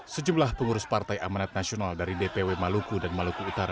sejumlah pengurus partai amanat nasional dari dpw maluku dan maluku utara